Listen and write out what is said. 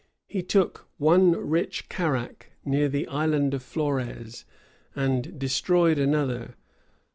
He took one rich carrack near the Island of Flores, and destroyed another.